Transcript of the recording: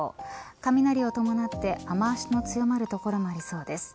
雷を伴って雨脚の強まる所もありそうです。